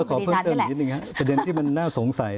ขอเพิ่มเติมอีกนิดนึงครับประเด็นที่มันน่าสงสัย